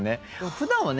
ふだんはね